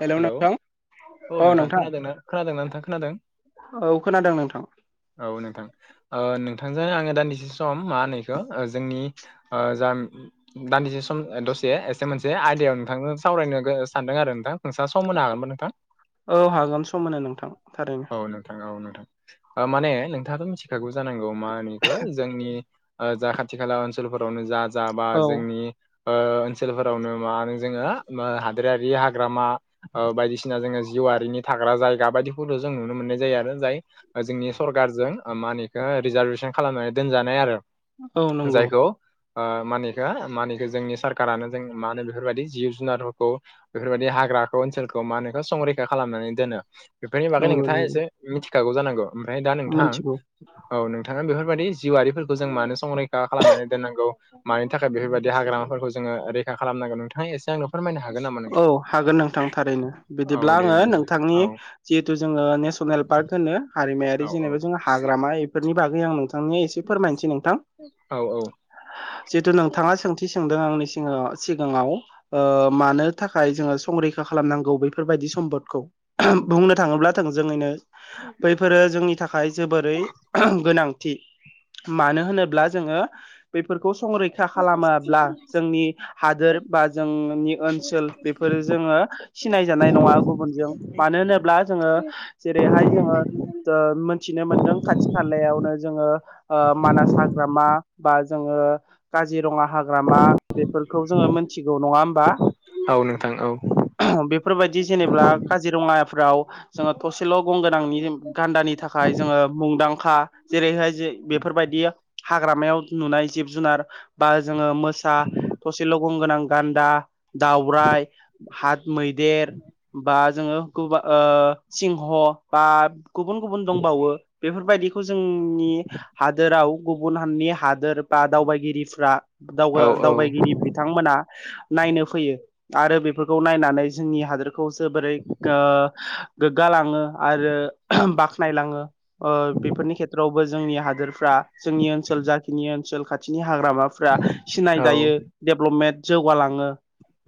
Hello नोंथां औ नोंथां खोनादों खोनादोंना नोंथां खोनादों औ खोनादों नोंथां औ नोंथां ओ नोंथांजों आङो दान्दिसे सम मा होनोखौ जोंनि ओ जा दान्दिसे सम दसे एसे मोनसे आयदायाव नोंथांनो सावरायनो सानदों आरो नोंथां सम होनो हागोन नोंथां। औ हागोन सम होनो नोंथां। थारैनो औ नोंथां औ नोंथां माने नोंथाङाथ' मिथिखागौ [unintelligible] जोंनि खाथिखाला ओनसोलफोरावनो जा जाबा औ जोंनि ओ ओनसोलफोरावनो मा होनो जोङो हादोरारि हाग्रामा ओ बायदिसिना बायदिसिना जोङो जिउआरिनि थाग्रा जायगा बायदिखौल' जों नुनो मोननाय जायो आरो जाय जोंनि सरखारजों मानिखौ रिजार्भेसन खालामनानै दोनजानाय आरो औ नंगौ जायखौ ओ मानिखौ मानिखो जोंनि सरखारारानो जों मा होनो बेफोरबायदि जिब जुनारफोरखौ बेफोरबायदि हा हाग्राखौ ओनसोलखौ मा होनो संरैखा खालामनानै दोनो। बेफोरनि बागै नंगौ नोंथाङा नंगौ एसे मिथिखागौ जानांगौ ओमफ्राय दा नोंथां मोनथिगौ औ नोंथाङा बेफोरबायदि जिउआरिफोरखौ जों मानो संरैखा खालामनानै दोननांगौ मानि थाखाय बेफोरबायदि हाग्रा फोरखौ जोङो रैखा खालामनांगोन नोंथाङा एसे आंनो फोरमायनो हागोन नामा औ नोंथां? हागोन नोंथां थारैनो औ बिदिब्ला दे आङो नोंथांनि औ जिहेतु जोङो नेसनेल पार्क होनो औ हारिमायारि जेनेबा जों हाग्रामा बेफोरनि बागै आं नोंथांनो एसे फोरमायनोसै नोंथां। औ जिहेतु नोंथाङा सोंथि सोंदों आंनि सिगाङाव सिगाङाव ओ मानो थाखाय जोङो संरैखा खालामनांगौ बेफोरबायदि सम्पदखौ बुंनो थाङोब्ला थोंजोङैनो बैफोरो जोंनि थाखाय जोबोरै गोनां थि मानो होनोब्ला जोङो बैफोर खौ संरैखा खालामाब्ला जोंनि हादोर बा जोंनि ओनसोल फोर जोङो सिनायजानाय नङा गुबुनजों मानो होनोब्ला जोङो जेरैहाय जोङो मिथिनो मोनदों खाथि खालायावनो जोङो मानास हाग्रामा बा जोङो काजिरङा हाग्रामा बेफोरखौ जोङो मोनथिगौ नङा होमबा। औ नोंथां औ बेफोरबायदि जेनेबा काजिरङाफ्राव जोङो थसेल' गं गोनांनि गान्दानि थाखाय थाखाय जोङो मुंदांखा जेरैहाय जे बेफोरबायदि हाग्रामायाव नुनाय जिब जुनार बा जोङो मोसा थसेल' गं गोनां गान्दा दाव राइ मैदेर बा जोङो ओ सिंह बा गुबुन गुबुन दंबावो बेफोरबायदिखौ जोंनि हादोराव गुबुननि हादोर बा दावबायगिरिफ्रा औ औ दावबायगिरि बिथांमोना नायनो फैयो। आरो बेफोरखौ नायनानै जोंनि हादोरखौ जोबोरै ओ गोग्गालाङो आरो बाख्नायलाङो ओ बेफोरनि खेथ्रआवबो जोंनि हादोरफ्रा जोंनि ओनसोल जाखिनि ओ खाथिनि हाग्रामाफ्रा औ सिनायजायो डेभेलपमेन्ट जौगालाङो।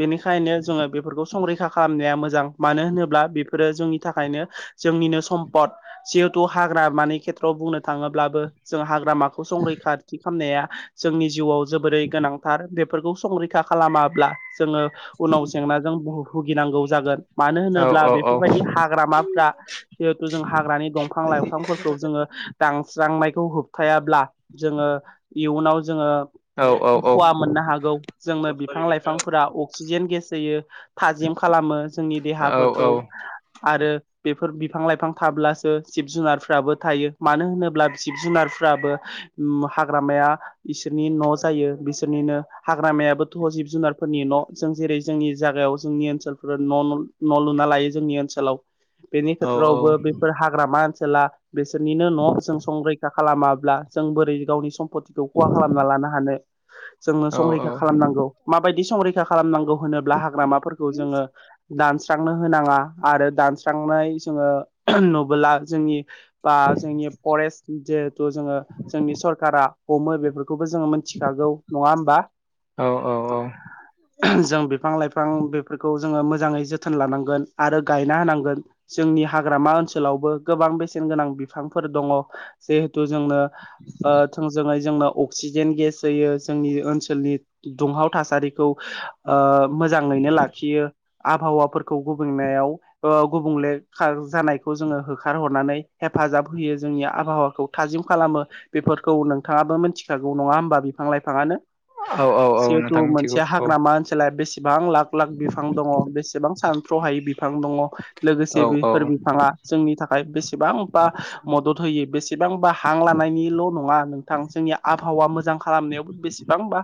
बेनिखायनो जोङो बेफोरखौ संरैखा खालामनाया मोजां मानो होनोब्ला बेफोरो जोंनि थाखायनो जों जोंनिनो सम्पद जिहेथु हाग्रामानि खेथ्रआव बुंनो थाङोब्लाबो जों हाग्रामाखौ संरैखा खालामनाया जोंनि जिउआव जोबोरै गोनांथार बेफोरखौ संरैखा खालामाब्ला जोङो उनाव जेंनाजों भुगिनांगौ जागोन मानो औ होनोब्ला औ बेफोरबायदि हाग्रामाफ्रा जिहेतु जों हाग्रानि दंफां लाइफांफोरखौ जोङो दांस्रांनाय खौ होबथायाब्ला जोङो इयुनाव जोङो औ औ खहा मोननो हागौ जोंनो बिफां लाइफां अक्सिजेन गेस होयो थाजिम खालामो जोंनि औ देहाफोरखौ आरो बेफोर बिफां लाइफां थाब्लासो जिब जुनारफ्राबो थायो मानो होनोब्ला जिब जुनारफ्राबो हाग्रामाया इसोरनि न' जायो बिसोरनिनो हाग्रामायाबोथ' जिब जुनार फोरनि न' जों जेरै जोंनि जायागायाव जोंनि ओनसोलफोर न' न' लुना लायो जोंनि ओनसोलाव बेनि औ खेथ्र आवबो बेफोर हाग्रामा ओनसोल सोला बिसोरनिनो न' जों संरैखा खालामाब्ला जों बोरै गावनि सम्पतिखौ खहा खालामना लानो ना हानो। जोङो संरैखा खालामनांगौ माबायदि संरैखा खालामनांगौ होनोब्ला हाग्रामा जोङो दानस स्रांनो होनाङा, आरो दानस्रांनाय जोङो नुबोला जोंनि बा जोंनि फरेस्ट जिहेथु जोङो जोंनि सरकारा हमो बेफोर खौबो जोङो मिथिखागौ नङा होमबा? औ जों बिफां लाइफां बेफोरखौ जोङो मोजाङै जोथोन लानांगोन आरो गायना होनांगोन जोंनि हाग्रामा ओनसोलावबो गोबां बेसेन गोनां बिफांफोर दङ जिहेथु जोंनो ओ थोंजोङै जोंनो अक्सिजेन गेस जायो जोंनि ओनसोलनि दुंहाव थासारिखौ ओ मोजाङैनो लाखियो आबहावाफोरखौ गुबुंनायाव ओ गुबुंले खार जानायखौ जोङो होखारहरनानै हेफाजाब होयो जोंनि आबहावा खौ थाजिम खालामो, बेफोरखौ नोंथाङाबो मिथिखागौ नङा होमबा बिफां लाइफाङानो? औ औ औ जिहेतु नोंथां मिथिगौ मोनसे औ हाग्रामा ओनसोला बेसेबां लाख लाख बिफां दङ बेसेबां सान स'हायै बिफां दङ। औ लोगोसे बेफोर बिफाङा जोंनि थाखाय बेसेबांबा मदद होयो बे बेसेबांबा हां लानायनिल' नङा नोंथां जोंनि आबहावा मोजां खालामनायावबो बेसेबांबा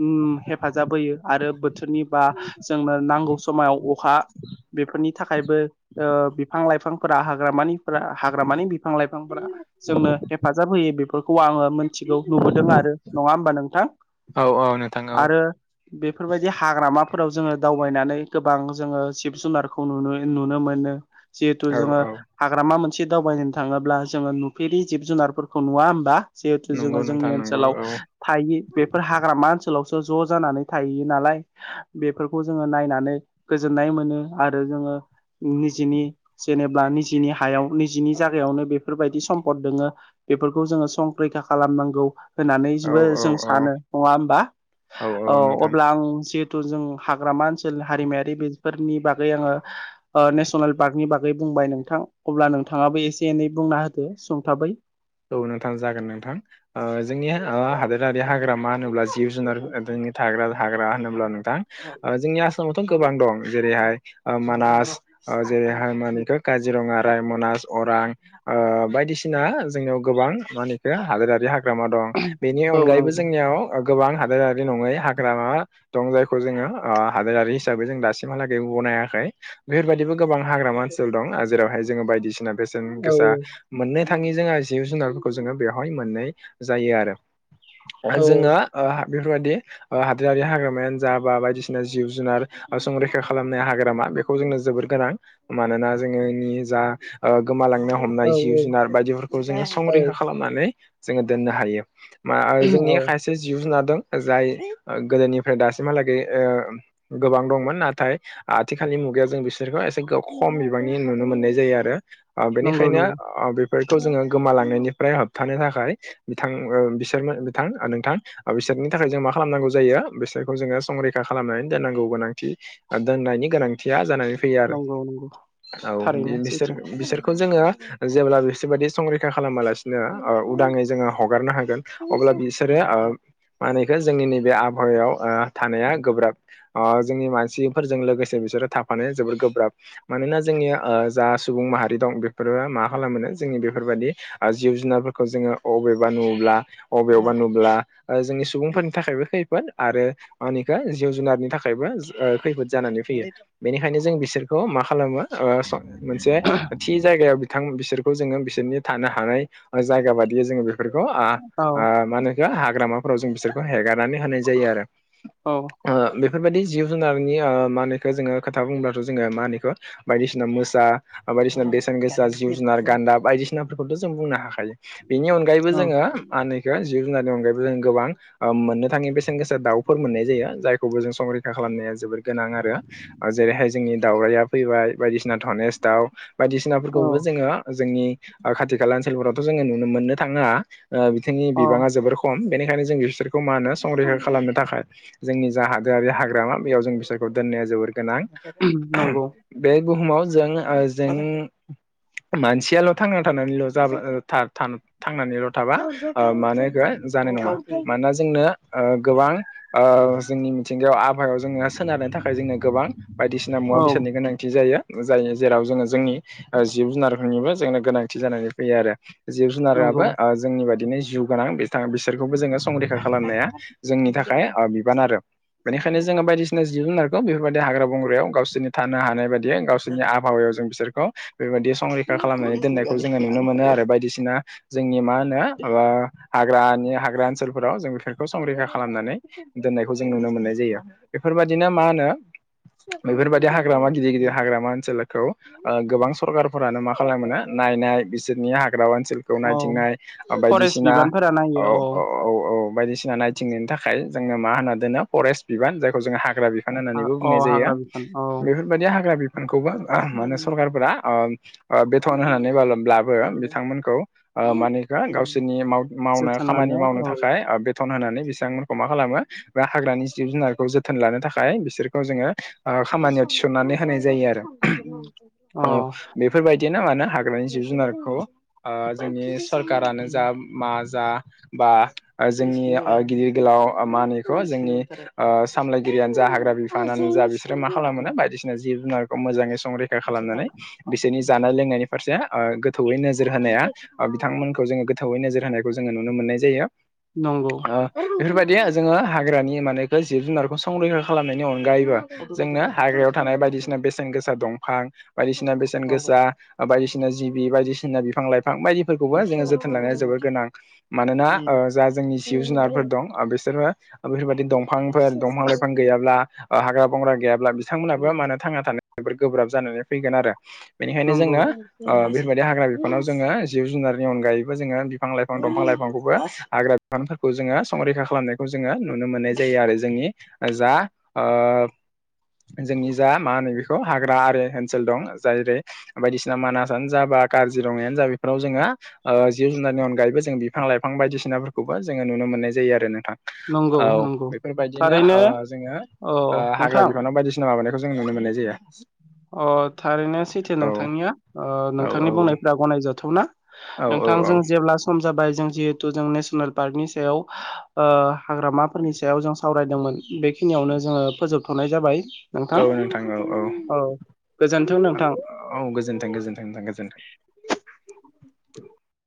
ओम हेफाजाब होयो आरो बोथोरनि बा जोंनो नांगौ समाव अखा बेफोरनि थाखायबो ओ बिफां लाइफांफोरा हाग्रामानि हाग्रामानि बिफां लाइफांफोरा जोंनो हेफाजाब होयो बे फोरखौ आङो मिथिगौ नुबोदों आरो नङा होमबा नोंथां? औ औ नोंथां औ आरो बेफोरबायदि हाग्रामाफोराव जोङो दावबायनानै गोबां जोङो जिब जुनारखौ नुनो नुनो मोनो। मानो जिहेथु औ जोङो औ हाग्रामामोन मोनसे दावबायनो थाङोब्ला जोङो नुफेरि जिब जुनारफोरखौ नुवा होमबा? जिहेतु नंगौ जोङो नोंथां जोंनि नंगौ ओनसोलाव औ थायि बेफोर हाग्रामा ओनसोल लवसो ज' जानानै थाहैयो नालाय, बेफोरखौ जोङो नायनानै गोजोननाय मोनो आरो जोङो निजिनि जेनेबा निजिनि हायाव निजिनि जायगायावनो बेफोरबायदि सम्पद दोङो बेफोरखौ जोङो संखरैखा खालामनांगौ। होननानै औ जेबो औ जों औ सानो नङा होमबा? औ। अब्ला आं जिहेथु जों हाग्रामा ओनसोल हारिमायारि बेफोरनि बागै आङो ओ नेसनेल पार्कनि बागै बै बुंबाय नोंथां अब्ला नोंथाङाबो एसे एनै बुंना होदो सुंथाबै। औ नोंथां जागोन नोंथां ओ जोंनि हादोरारि हाग्रामा होनोब्ला जिब जुनार थाग्रा थाग्रा होनोब्ला नोंथां ओ जोंनि आसामावथ' गोबां दं जेरैहाय ओ मानास ओ जेरैहाय मानिखौ काजिरङा रायमनास अरां ओ बायदिसिना जोंनाव गोबां मा होनो बेखौ हादोरारि हाग्रामा दं बेनि औ अनगायैबो नंगौ जोंनियाव गोबां हादोरारि नङै हाग्रामा दं जायखौ जोङो ओ हादोरारि हिसाबै जों दासिमहालागै गनायाखै। बेफोरबायदिबो गोबां हाग्रामा ओनसोल दं जेरावहाय जोङो बायदिसिना बेसेन औ गोसा मोननो थाङि जोहा जिब जुनारफोरखौ जोङो बेवहाय मोननाय जायो आरो। औ जोङो ओ बेफोरबायाददि ओ हादोरारि हाग्रामायानो जा बा बायदिसिना जिब जुनार संरैखा खालामनाय हाग्रामा बेखौ जोंनो जोबोर गोनां मानोना जोङो जा गोमालां नो औ हमनाय जिब जुनार बायदिफोरखौ जोङो औ संरैखा खालामनानै जोङो दोननो हायो। मा आरो जोंनि औ खायसे जिब जुनार दों, जाय गोदोनिफ्राय दासिमहालागै ओ गोबां दंमोन नाथाय आथिखाल नि मुगायाव जों बिसोरखौ एसे खम बिबांनि नुनो मोननाय जायो आरो। ओ नंगौ बेनिखायनो नंगौ ओ बेफोर गोमालांनायनिफ्राय होबथानो थाखाय बिथां बिसोरमोन बिथां नोंथां ओ बिसोरनि थाखाय जों मा खालामनांगौ जायो बिसोरखौ जोङो संरैखा खालामनानै दोननांगौ गोनांथि दोननायनि गोनांथिया जानानै फैयो आरो नंगौ नंगौ औ बि थारैनो बिसोर सैथो बिसोरखौ जोङो जेब्ला बिस बायदि संरैखा खालामालासिनो उदाङै जोङो हगारनो हागोन अब्ला बिसोरो माहोनो बिखौ जोंनि नैबे आबहावायाव थानाया गोब्राब अ जोंनि मानसिफोरजों लोगोसे बिसोरो थाफानाया जोबोर गोब्राब मानोना जोंनिया ओ जा सुबुं माहारि दं बेफोरो मा खालामो जोंनि बेफोरबायदि ओ जिब जुनारफोरखौ जोङो अबेबा नुब्ला अबेयावबा नुुब्ला जों सुबुंफोरनि थाखायबो खैफोद आरो मानिखो जिब जुनारनि थाखायबो खैफोद जानानै फैयो बेनिखायनो जों बिसोरखौ मा खालामो ओ मोनसे थि जायगायाव बिथां बिसोर खौ जोङो बिसोरनि थानो हानाय जायगा बायियै जोङो बेफोरखौ ओ औ माहोनो बेखो हाग्रामाफोराव जों बिसोरखौ हेगारनानै होनाय जायो आरो औ बेफोरबायदि जिब जुनारनि मा होनो बेखौ जोङो खोथा बुंब्लाथ' जोङो मा होनो बेखौ बायदिसिना मोसा बायदिसिना बेसेन गोसा जिब जुनार गान्दा बायदिसिनाफोरखौथ' जों बुंनो हाखा बेनि अनगायैबो औ जोङो मा होनो बेखौ जिब जुननि अनगायैबो जों गोबां मोननोथाङि बेसेन गोसा दाउफोर मोननाय जायो जायखौबो जों संरैखा खालामनाया जोबोर गोनां आरो जेरैहाय जोंनि दावरायया फैबाय बायदिसिना धनेस दाउ औ बायदिसिनाफोरखौबो जोङो जोंनि खाथि खाला ओनसोलफोरावथ' जोङो नुनो मोननो थाङा बिथांनि औ बिबाङा जोबोर खम बेनिखायनो जों बिसोरखौ मा होनो संरैखा खालामनो थाखाय जोंनि जा हादोरारि हाग्रामा बेयाव जों बिसोरखौ दोन जोबोर गोनां नंगौ बे बुहुमाव जों जों मानसियाल' थांना थानानैल' जाब थांनानैल' थाबा मानो होनबा जानो मानोना जोंनो गोबां जोंनि मिथिंगायाव आबहायाव जोंङो सोनारनो थाखाय जोंनो गोबां बायदिसिना मुवा औ बेसादनि गोनांथि जायो जायो जेराव जोङो जोंनि जिब जुनारफोरनिबो जोंनो गोनांथि जानानै फैयो आरो जिब जुनाराबो नंगौ जोंनि बादिनो जिउ गोनां बिसोरखौबो जोङो संरैखा खालामनाया जोंनि थाखाय बिबान आरो बेनिखायनो जोङो बायदिसिना जिब जुनारखौ बेफोरबायदि हाग्रा बंग्रायाव गावसोरनि थानो हानाय बायदि गावसोरनि आबहावायाव जों बिसोरखौ बेबायदि संरै खालामनानै दोननायखौ जोङो नुनो मोनो आरो बायदिसिना जोंनि मा होनो हाग्रानि हाग्रा ओनसोलफोराव जों बेफोरखौ संरैखा खालामनानै दोननायखौ जों नुनो मोननाय जायो बेफोरबायदिनो मा होनो बेफोरबायदि हाग्रामा गिदिर गिदिर हाग्रामा ओनसोलखौ गोबां सरखारफोरानो माखामो खालामोना नायनाय बिसोरनि हाग्रा ओनसोलखौ औ नायथिंनाय फरेस्ट बायदिसिना बिबानफोरा नायो औ बायदिसिना नायथिंनायनि थाखाय जोङो मा होनना दोनो फरेस्ट बिबान जायखौ जोङो हाग्रा बिफान होननानैबो अ बुंनाय जायो हाग्रा बिफान औ बेफोरबायदि हाग्रा बिफ खौबा माने सरखारारफोरा बेथ'न होनानै बब्लाबो बिथांमोनखौ मानि गावसोरनि माव मावनो जोथोन खामानि लानो मावनो औ थाखाय बे थन होनानै बिथांमोनखौ मा खालामो बा हाग्रानि जिब जुनारखौ जोथोन लानो थाखाय बिसोरखौ जोङो खामानियाव थिसननानै होनाय जायो आरो अ औ बेफोरबायदिया नो मानो हाग्रानि जिब जुनारखौ जोंनि सरकारानो जा मा जा बा जोंनि गिदिर गोलाव मा होनो इखौ जोंनि सामलायगिरियानो जा हाग्रा बिफानानो जा बिसोरो मा खालाम मोनो बायदिसिना जिब जुनारखौ मोजाङै संरैखा खालामनानै बिसोरनि जानाय लोंनायनि फारसे गोथौयै नोजोर होनाया बिथांमोनखौ जोङो गोथावै नोजोर होनायखौ जोङो नुनो मोननाय जायो नंगौ बेफोरबाय दि जोङो हाग्रानि मानेखौ जिब जुनारखौ संरैखा खालामनायनि अनगायैबो जोंनो हाग्रायाव थानाय बाय बायदिसिना बेसेन गोसा दंफां बायदिसिना बे बेसेन गोसा बायदिसिना जिबि बायदिसिना बिफां लाइफां बायदिफोरखौबो जोङो जोथोन लानायानो जोबबोर गोनां मानोना ओ जा जोंनि जिब जुनारफोर दं बिसोरो बेफोरबदि दंफांफोर दंफां लाइफां गैयाब्ला हाग्रा बंग्रा गैयाब्ला बिथांमोनहाबो मानो थांना थानो जोबद गोब्राब जानानै फैगोन आरो। बेनिखायनो नंगौ जोंङो ओ बेफोरबायदि हाग्रा बिफानाव जोङो जिब जुनारनि अनगायैबो जोङो बिफां लाइफां दंफां लाइफांखौबो हाग्रा बिफां जोङो संरैखा खालामनायखौ जोङो नुनो मोननाय जायो आरो जोंनि जा ओ जोंनि जा मा होनो बेखौ हाग्रा आरो ओनसोल दं जेरै बायदिसिना मानासानो जा बा काजिरङायानो जा बेफोराव जोङो ओ जिब जुनारनि अनगायैबो जों बिफां लाइफां बायदिसिनाफोरखौबो जोङो नुनो मोननाय जायो आरो नोंथां। नंगौ औ नंगौ बेफोरबायदिनो थारैनो ओ जोङो औ ओ हाग्रा नोंथां बिफानाव बायदिसिना माबानाय खौ जों नुनो मोननाय जायो। अ थारैनो सैथो औ नोंथांनि ओ औ नोंथांनि बुंनायफ्रा गनायजाथावना औ नोंथां औ जों जेब्लाब सम जों जिहेतु जों नेसनेल पार्कनि सायाव ओ हाग्रामाफोरनि सायाव जों सावरायदोंमोन। बेखिनियावनो जोङो फोजोबथ'नाय जाबाय। औ नोंथां औ। गोजोन्थों औ नोंथां औ गोजोनथों गोजोन्थों नोंथां गोजोनथों।